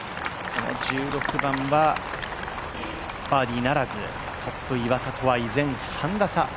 この１６番はバーディーならず、トップ岩田とは依然３打差。